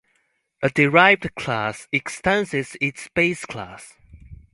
A derived class extends its base class.